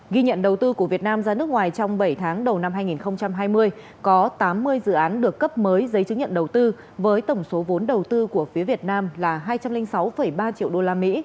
ghi nhận đầu tư của việt nam ra nước ngoài trong bảy tháng đầu năm hai nghìn hai mươi có tám mươi dự án được cấp mới giấy chứng nhận đầu tư với tổng số vốn đầu tư của phía việt nam là hai trăm linh sáu ba triệu usd